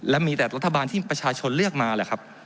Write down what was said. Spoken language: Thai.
และมีแต่รัฐบาลที่ประชาชนเลือกมาแหละครับ